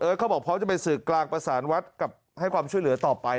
เขาบอกพร้อมจะไปสื่อกลางประสานวัดกับให้ความช่วยเหลือต่อไป